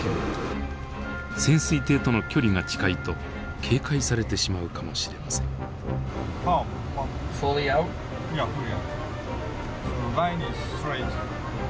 潜水艇との距離が近いと警戒されてしまうかもしれません。